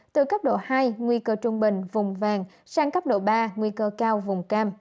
từ cấp độ hai nguy cơ trung bình vùng vàng sang cấp độ ba nguy cơ cao vùng cam